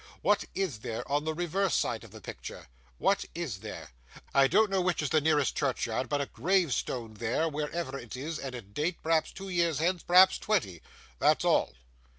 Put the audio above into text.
What is there on the reverse side of the picture? What is there? I don't know which is the nearest churchyard, but a gravestone there, wherever it is, and a date, perhaps two years hence, perhaps twenty. That's all.